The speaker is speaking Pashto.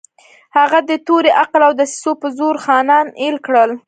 هغه د تورې، عقل او دسیسو په زور خانان اېل کړل.